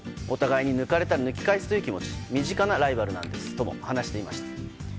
お互い、抜かれたら抜き返すという気持ち身近なライバルなんですとも話していました。